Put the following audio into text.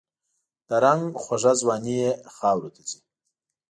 د رنګ خوږه ځواني یې خاوروته ځي